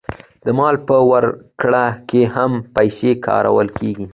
د مال په ورکړه کې هم پیسې کارول کېږي